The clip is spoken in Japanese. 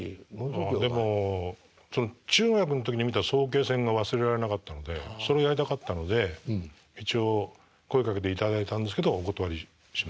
でも中学の時に見た早慶戦が忘れられなかったのでそれやりたかったので一応声かけていただいたんですけどお断りしまして。